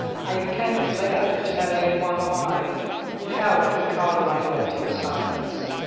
I cannot bear to tell any one why. Help to cover my lot in silence.